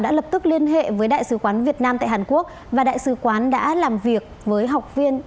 đã lập tức liên hệ với đại sứ quán việt nam tại hàn quốc và đại sứ quán đã làm việc với học viên